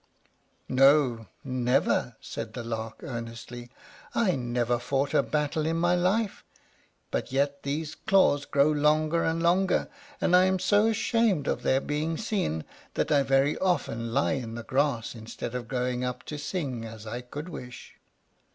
"No, never!" said the Lark, earnestly; "I never fought a battle in my life; but yet these claws grow longer and longer, and I am so ashamed of their being seen that I very often lie in the grass instead of going up to sing, as I could wish."